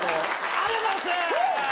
ありがとうございます！